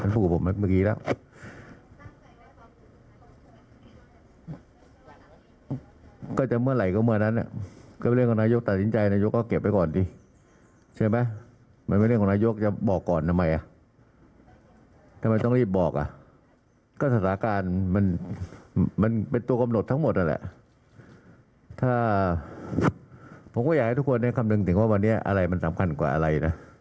ผมก็อยากให้ทุกคนได้คำนึงถึงว่าวันนี้อะไรมันสำคัญกว่าอะไร